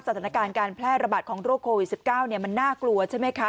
สถานการณ์การแพร่ระบาดของโรคโควิด๑๙มันน่ากลัวใช่ไหมคะ